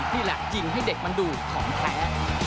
นี่แหละยิงให้เด็กมันดูดของแท้